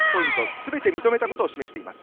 すべて認めたことを示します。